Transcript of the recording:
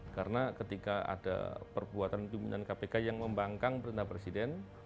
karena ketika ada perbuatan pimpinan kpk yang membangkang perintah presiden